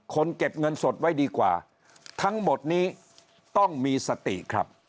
เก็บเงินสดไว้ดีกว่าทั้งหมดนี้ต้องมีสติครับ